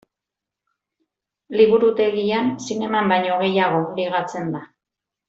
Liburutegian zineman baino gehiago ligatzen da.